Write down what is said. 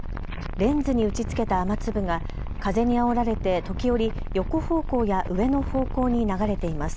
レンズに打ちつけた雨粒が風にあおられて時折、横方向や上の方向に流れています。